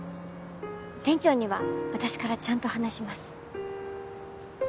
店長には私からちゃんと話します